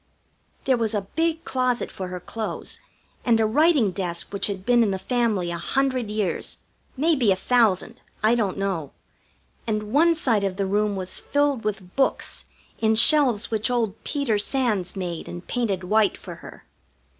There was a big closet for her clothes, and a writing desk which had been in the family a hundred years maybe a thousand. I don't know. And one side of the room was filled with books in shelves which old Peter Sands made and painted white for her.